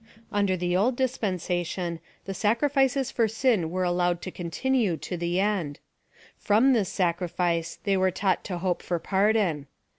Under the old dispensation, the sacrifices tor sin were allowed to continue to the end. From this sacrifice they were taught to hope for pardon.